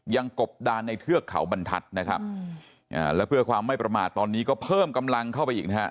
กบดานในเทือกเขาบรรทัศน์นะครับแล้วเพื่อความไม่ประมาทตอนนี้ก็เพิ่มกำลังเข้าไปอีกนะฮะ